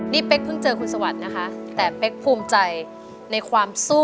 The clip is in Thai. นี่เป๊กเพิ่งเจอคุณสวัสดิ์นะคะแต่เป๊กภูมิใจในความสู้